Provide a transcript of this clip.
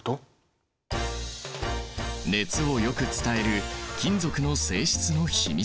熱をよく伝える金属の性質の秘密。